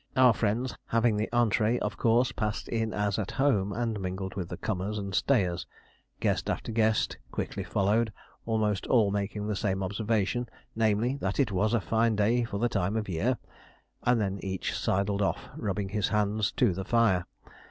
Our friends, having the entrée, of course passed in as at home, and mingled with the comers and stayers. Guest after guest quickly followed, almost all making the same observation, namely, that it was a fine day for the time of year, and then each sidled off, rubbing his hands, to the fire.